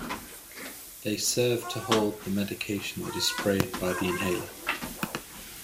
They serve to hold the medication that is sprayed by the inhaler.